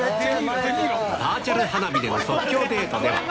バーチャル花火の即興デート